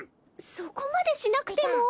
そこまでしなくても。